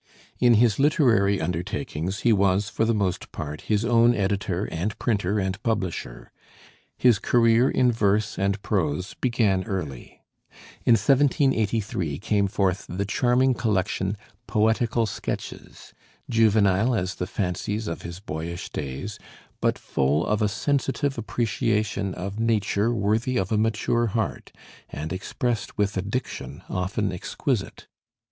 In his literary undertakings he was for the most part his own editor and printer and publisher. His career in verse and prose began early. In 1783 came forth the charming collection 'Poetical Sketches,' juvenile as the fancies of his boyish days, but full of a sensitive appreciation of nature worthy of a mature heart, and expressed with a diction often exquisite.